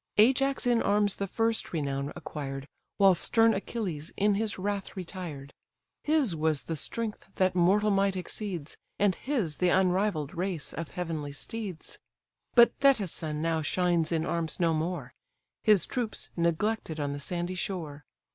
Ajax in arms the first renown acquired, While stern Achilles in his wrath retired: (His was the strength that mortal might exceeds, And his the unrivall'd race of heavenly steeds:) But Thetis' son now shines in arms no more; His troops, neglected on the sandy shore.